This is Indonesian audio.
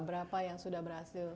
berapa yang sudah berhasil